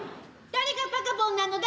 誰がバカボンなのだ？